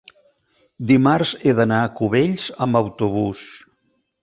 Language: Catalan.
dimarts he d'anar a Cubells amb autobús.